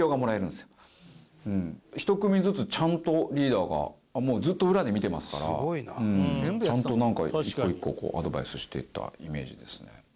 １組ずつちゃんとリーダーがもうずっと裏で見てますからちゃんとなんか１個１個アドバイスしてたイメージですね。